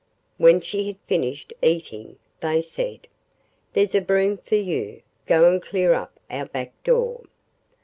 When she had finished eating they said: 'There's a broom for you, go and clear up our back door.